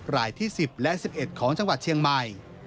รายที่๑๐และ๑๑ของจังหวัดเชียงใหม่